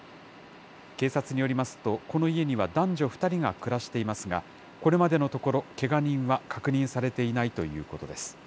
警察によりますと、この家には男女２人が暮らしていますが、これまでのところ、けが人は確認されていないということです。